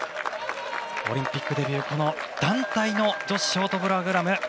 オリンピックデビュー団体の女子ショートプログラム。